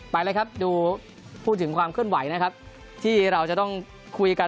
ไปเลยครับดูพูดถึงความเคลื่อนไหวนะครับที่เราจะต้องคุยกัน